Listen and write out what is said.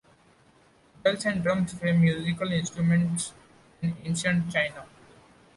Bells and drums were musical instruments in ancient China.